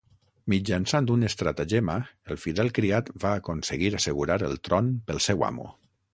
Mitjançant un estratagema el fidel criat va aconseguir assegurar el tron pel seu amo.